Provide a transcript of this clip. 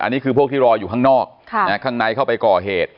อันนี้คือพวกที่รออยู่ข้างนอกข้างในเข้าไปก่อเหตุ